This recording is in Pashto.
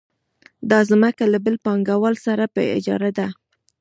دا ځمکه له بل پانګوال سره په اجاره ده